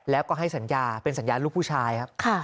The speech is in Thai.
แล้วก็ให้สัญญาเป็นสัญญาลูกผู้ชายครับ